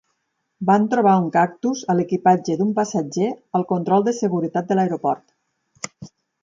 Van trobar un cactus a l'equipatge d'un passatger al control de seguretat de l'aeroport.